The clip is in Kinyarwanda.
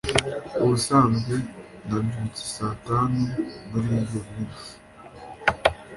ubusanzwe nabyutse saa tanu muri iyo minsi